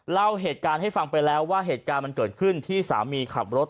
เล่าเหตุการณ์ให้ฟังไปแล้วว่าเหตุการณ์มันเกิดขึ้นที่สามีขับรถ